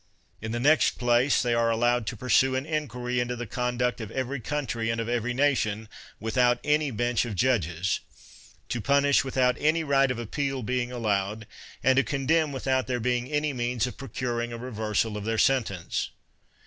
In the next place, they are allowed to pursue an inquiry into the conduct of every country and of every nation, without any bench of judges; to punish without any right of appeal being allowed ; and to condemn without there being any means of procuring a reversal of their sentence.